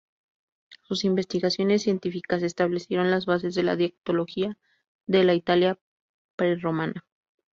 Sus investigaciones científicas establecieron las bases de la dialectología de la Italia prerromana.